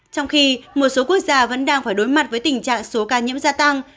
trong khi một số quốc gia vẫn đang phải đối mặt với tình trạng số ca nhiễm gia tăng